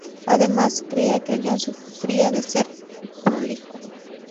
Además, creía que el guión sufría de ser "prolijo".